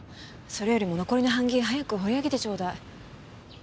それよりも残りの版木早く彫り上げてちょうだい。